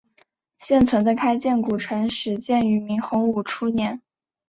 现存的开建古城始建于明洪武初年。